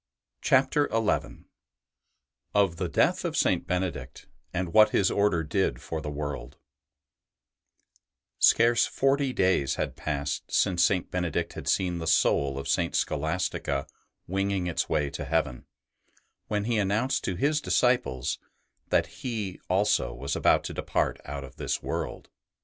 CHAPTER XI OF THE DEATH OF SAINT BENEDICT, AND WHAT HIS ORDER DID FOR THE WORLD Scarce forty days had passed since St. Benedict had seen the soul of St. Scholastica winging its way to heaven, when he announced to his disciples that he also was about to depart out of this world.